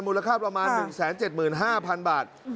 มูลค่าประมาณ๑๗๕๐๐๐บาท